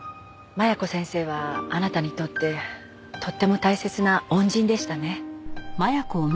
麻弥子先生はあなたにとってとっても大切な恩人でしたね。